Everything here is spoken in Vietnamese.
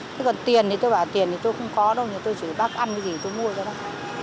thế còn tiền thì tôi bảo tiền thì tôi không có đâu tôi chỉ bác ăn cái gì tôi mua cho bác